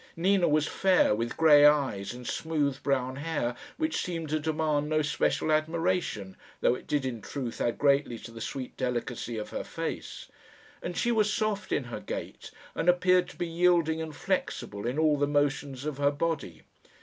Nina was fair, with grey eyes, and smooth brown hair which seemed to demand no special admiration, though it did in truth add greatly to the sweet delicacy of her face; and she was soft in her gait, and appeared to be yielding and flexible in all the motions of her body.